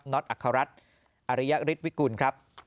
นทอริยฤทธิ์วิกุลครับ